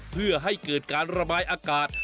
เพื่อให้เกิดการระบายอากาศ